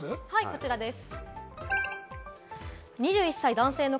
こちらです。